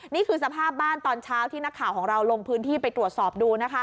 นี่คือสภาพบ้านตอนเช้าที่นักข่าวของเราลงพื้นที่ไปตรวจสอบดูนะคะ